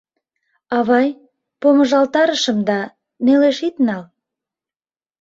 — Авай, помыжалтарышым да, нелеш ит нал.